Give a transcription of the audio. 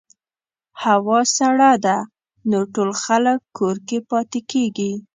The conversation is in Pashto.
هوا سړه ده، نو ټول خلک کور کې پاتې کېږي.